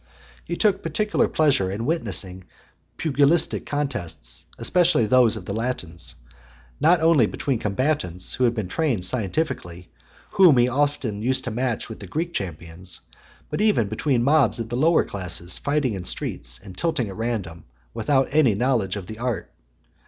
He took particular pleasure in witnessing pugilistic contests, especially those of the Latins, not only between combatants who had been trained scientifically, whom he used often to match with the Greek champions; but even between mobs of the lower classes fighting in streets, and tilting at random, without any knowledge of the art.